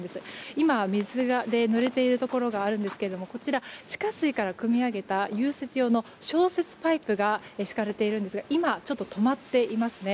今は水でぬれているところがあるんですがこちら、地下水からくみ上げた融雪用の消雪パイプが敷かれているんですが今、止まっていますね。